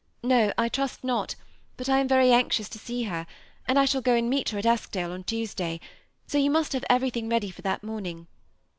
No, I trust not, but I am very anxious to see her, and I shall go and meet her at Eskdale on Tuesday, so you must have everything ready for that morning.